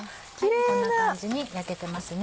こんな感じに焼けてますね。